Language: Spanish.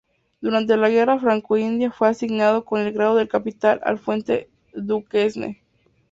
Durante la guerra Franco-india fue asignado con el grado de capitán al Fuerte Duquesne.